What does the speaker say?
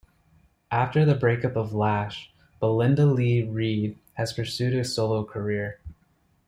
After the break-up of Lash, Belinda-Lee Reid has pursued a solo career.